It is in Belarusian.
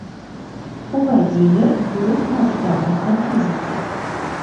Уладзімір быў настаўнікам фізікі.